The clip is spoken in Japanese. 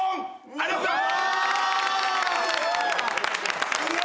ありがとうございます。